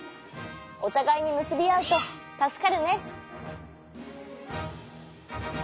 おたがいにむすびあうとたすかるね。